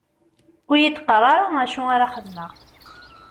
Ur yi-d-qqar ara acu ara xedmeɣ!